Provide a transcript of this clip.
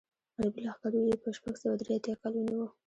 عربي لښکرو یې په شپږ سوه درې اتیا کال ونیو.